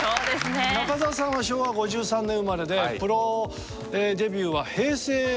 中澤さんは昭和５３年生まれでプロデビューは平成ですか。